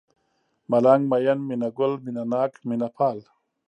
ملنگ ، مين ، مينه گل ، مينه ناک ، مينه پال